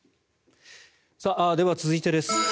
では、続いてです。